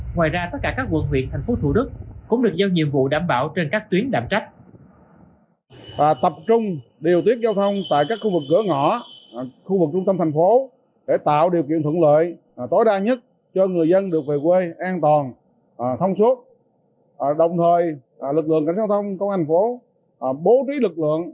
ngoài ra tất cả các quận huyện thành phố thủ đức cũng được giao nhiệm vụ đảm bảo trên các tuyến đạm trách